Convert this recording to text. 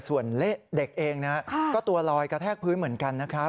ส่วนเหล๊ะเด็กเองเต็กหลอยกระแทกพื้นเหมือนกันนะครับ